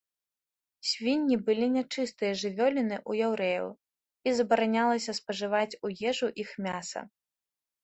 Свінні былі нячыстыя жывёліны ў яўрэяў, і забаранялася спажываць у ежу іх мяса.